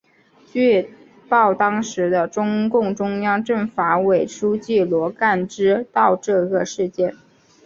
据报当时的中共中央政法委书记罗干知道这个事件。